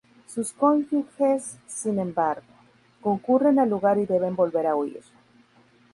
Sus cónyuges, sin embargo, concurren al lugar y deben volver a huir.